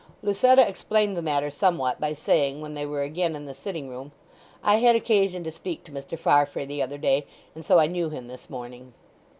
Lucetta explained the matter somewhat by saying when they were again in the sitting room— "I had occasion to speak to Mr. Farfrae the other day, and so I knew him this morning."